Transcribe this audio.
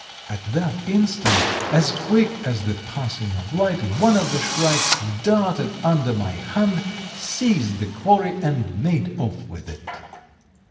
At that instant, as quick as the passing of light, one of the shrikes darted under my hand, seized the quarry and made off with it.